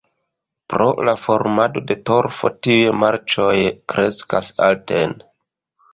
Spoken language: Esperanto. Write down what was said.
Pro la formado de torfo tiuj marĉoj kreskas alten.